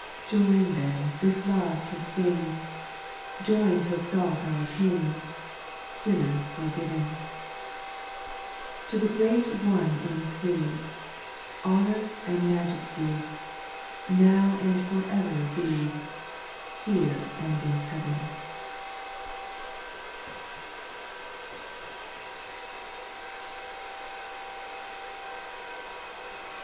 4. Join then this love to sing, Join to exalt our King, Sinners forgiven. To the great One in Three, Honour and majesty, Now and for ever be, Here and in heaven.